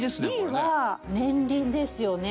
Ｂは年輪ですよね。